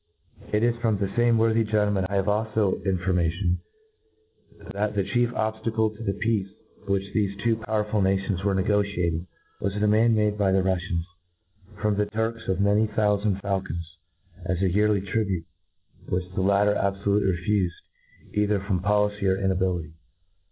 It is from the fame worthy gentleman I have alfo Information, that the chief obftacle to the peace which thcfc ^two powerful nations were negotiating, was a de r mand made by the Ruffians from the Turks of • many thoufand faulcons, as a yearly tribute, which the latter abfolutcly refufed, either fron^ policy or inability.